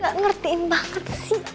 gak ngertiin banget sih